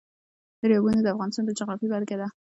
دریابونه د افغانستان د جغرافیې بېلګه ده.